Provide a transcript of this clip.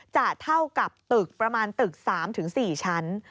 เท่ากับตึกประมาณตึก๓๔ชั้น